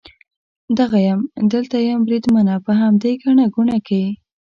دغه یم، دلته یم بریدمنه، په همدې ګڼه ګوڼه کې.